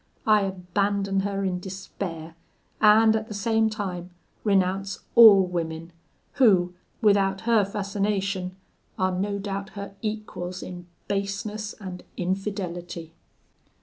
I abandon her in despair, and, at the same time, renounce all women, who, without her fascination, are no doubt her equals in baseness and infidelity.'